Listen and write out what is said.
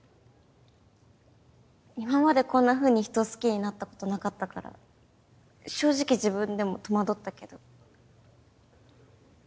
今までこんなふうに人を好きになったことなかったから正直自分でも戸惑ったけど。